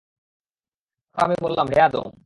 তারপর আমি বললাম, হে আদম!